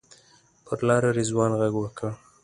پر لاره رضوان غږ وکړ.